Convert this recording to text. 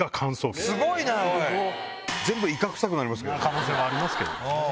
可能性もありますけど。